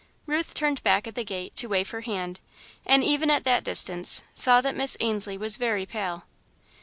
Ruth turned back at the gate, to wave her hand, and even at that distance, saw that Miss Ainslie was very pale.